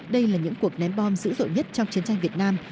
đây là những cuộc ném bom dữ dội nhất trong chiến tranh việt nam